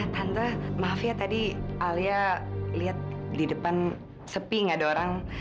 tante maaf ya tadi alia lihat di depan sepi gak ada orang